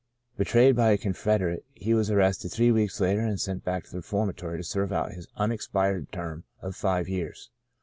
Betrayed by a confederate, he was arrested three weeks later and sent back to the reform atory to serve out his unexpired term of five years.